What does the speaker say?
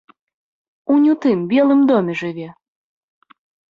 Унь у тым белым доме жыве.